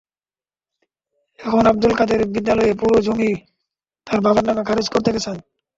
এখন আবদুল কাদের বিদ্যালয়ের পুরো জমি তাঁর বাবার নামে খারিজ করাতে গেছেন।